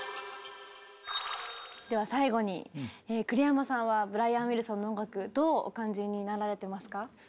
では最後に栗山さんはブライアン・ウィルソンの音楽どうお感じになられてますか？